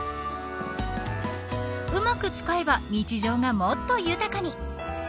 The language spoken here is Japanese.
うまく使えば日常がもっと豊かに。